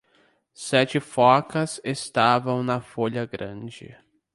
Sete focas estavam na folha grande.